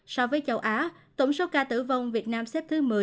so với châu á tổng số ca tử vong việt nam xếp thứ một mươi